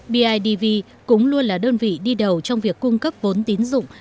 bidv cũng luôn là đơn vị đi đầu trong việc cung cấp vốn tín dụng